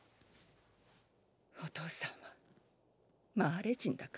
お父さんはマーレ人だから。